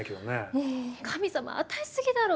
もう神様与えすぎだろ！